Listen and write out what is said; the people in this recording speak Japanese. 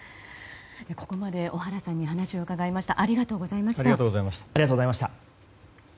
ここまで小原さんにお話を伺いました。